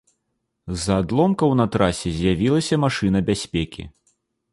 З-за адломкаў на трасе з'явілася машына бяспекі.